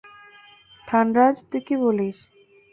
থানরাজ, তুই কী বলিস?